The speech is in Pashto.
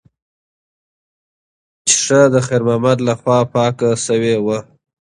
ښیښه د خیر محمد لخوا پاکه شوې وه.